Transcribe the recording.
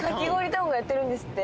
タウンがやってるんですって！